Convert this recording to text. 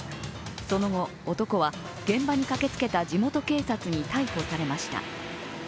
その後、男は現場に駆けつけた地元警察に逮捕されました。